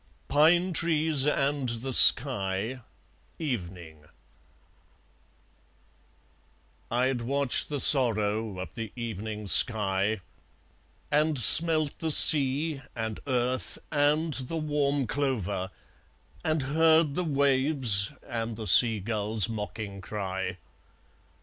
Pine Trees and the Sky: Evening I'd watched the sorrow of the evening sky, And smelt the sea, and earth, and the warm clover, And heard the waves, and the seagull's mocking cry.